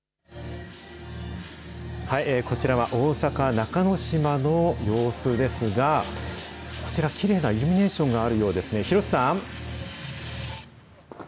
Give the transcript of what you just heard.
こちらは大阪・中之島の様子ですが、こちら、きれいなイルミネーションがあるようですね、廣さん。